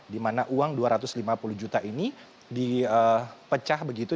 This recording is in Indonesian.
di mana uang dua ratus lima puluh juta ini dipecah begitu